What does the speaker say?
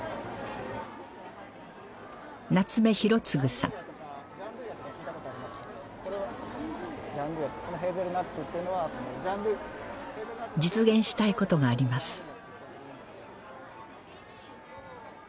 夏目浩次さん実現したいことがあります